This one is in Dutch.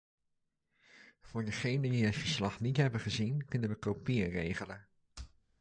Voor degenen die het verslag niet hebben gezien, kunnen we kopieën regelen.